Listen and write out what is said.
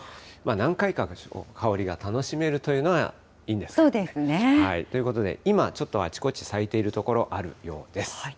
何回か香りが楽しめるというのがいいんじゃないでしょうか。ということで、今、ちょっとあちこち咲いている所あるようです。